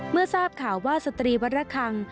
เมื่อทราบข่าวว่าสตรีวัดระคัง